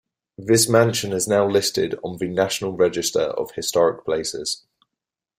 This mansion is now listed on the National Register of Historic Places.